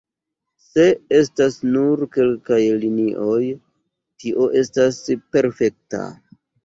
Se estas nur kelkaj linioj, tio estas perfekta.